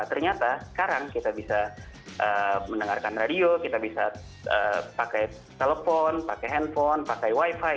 ternyata sekarang kita bisa mendengarkan radio kita bisa pakai telepon pakai handphone pakai wifi